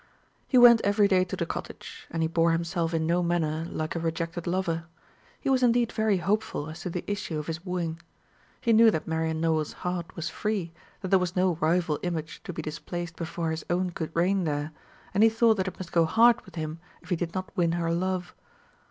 He went every day to the cottage, and he bore himself in no manner like a rejected lover. He was indeed very hopeful as to the issue of his wooing. He knew that Marian Nowell's heart was free, that there was no rival image to be displaced before his own could reign there, and he thought that it must go hard with him if he did not win her love.